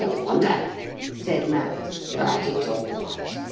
] 'I don't wonder,' said Max. 'But it's all right.